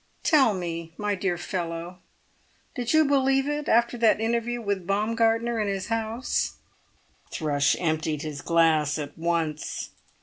"Tell me, my dear fellow—did you believe it after that interview with Baumgartner in his house?" Thrush emptied his glass at once.